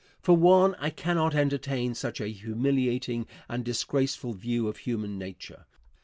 For one, I cannot entertain such a humiliating and disgraceful view of human nature.